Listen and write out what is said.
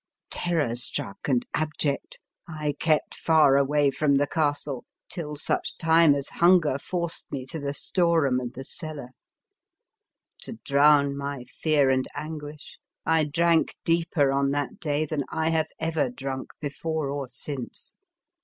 75 The Fearsome Island Terror struck and abject, I kept far away from the castle till such time as hunger forced me to the store room and the cellar. To drown my fear and anguish, I drank deeper on that day than I have ever drunk before or since.